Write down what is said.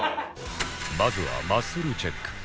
まずはマッスルチェック